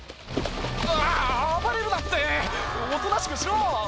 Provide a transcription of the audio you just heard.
うわー、暴れるなって、おとなしくしろ！